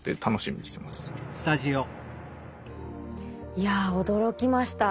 いや驚きました。